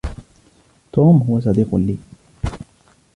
توم هو صديق لي.